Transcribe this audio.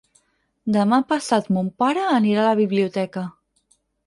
Demà passat mon pare anirà a la biblioteca.